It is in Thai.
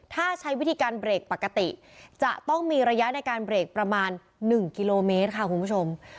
ถ้าใช้วิธีการเบรกปกติจะต้องมีระยะในการเบรกประมาณ๑กิโลเมตรค่ะคุณผู้ชม